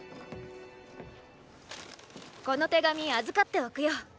この手紙預かっておくよ。